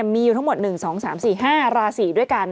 มีอยู่ทั้งหมด๑๒๓๔๕ราศีด้วยกัน